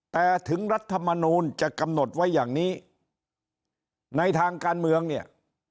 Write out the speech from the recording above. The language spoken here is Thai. แต่ถึงรัฐมนูลจะกำหนดไว้อย่างนี้ในทางการเมืองเนี่ย